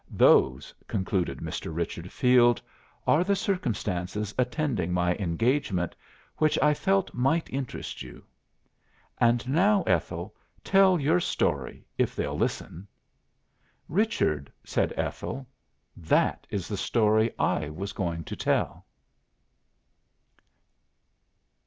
'" "Those," concluded Mr. Richard Field, "are the circumstances attending my engagement which I felt might interest you. And now, Ethel, tell your story, if they'll listen." "Richard," said Ethel, "that is the story I was going to tell."